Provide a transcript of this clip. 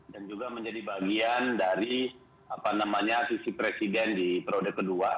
dan juga menjadi bagian dari sisi presiden di perode kedua